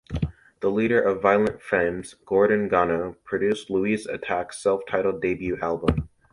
The leader of Violent Femmes, Gordon Gano, produced Louise Attaque's self-titled debut album.